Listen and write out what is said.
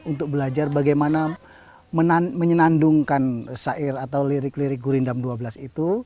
untuk belajar bagaimana menyenandungkan syair atau lirik lirik gurindam dua belas itu